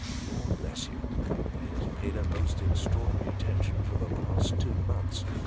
" Lord bless you, he has paid her most extraordinary attention for the last two months.